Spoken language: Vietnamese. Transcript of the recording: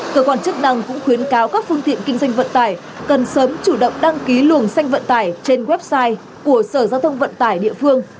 cơ quan chức năng cũng khuyến cáo các phương tiện kinh doanh vận tải cần sớm chủ động đăng ký luồng xe vận tải trên website của sở giao thông vận tải địa phương